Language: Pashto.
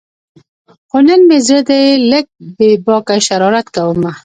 خو نن مې زړه دی لږ بې باکه شرارت کومه